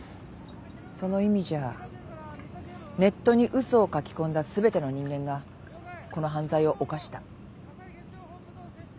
その意味じゃネットに嘘を書き込んだ全ての人間がこの犯罪を犯した。